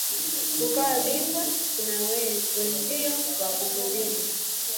Ukawa bingwa, kuna wezio wakuzidi